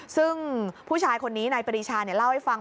ซึ่งผู้ชายคนนี้นายปรีชาเล่าให้ฟัง